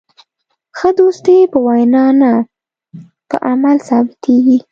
ښه دوستي په وینا نه، په عمل ثابتېږي.